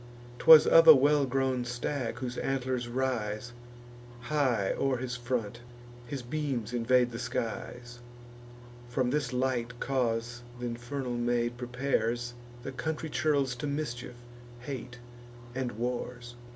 'Twas of a well grown stag, whose antlers rise High o'er his front; his beams invade the skies. From this light cause th' infernal maid prepares The country churls to mischief, hate, and wars.